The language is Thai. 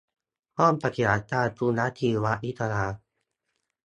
ห้องปฏิบัติการจุลชีววิทยา